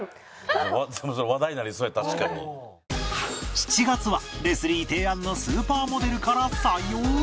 ７月はレスリー提案のスーパーモデルから採用！